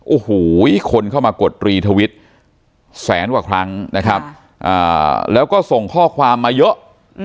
โอ้โหคนเข้ามากดรีทวิตแสนกว่าครั้งนะครับแล้วก็ส่งข้อความมาเยอะ